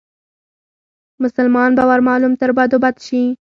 مسلمان به ور معلوم تر بدو بد شي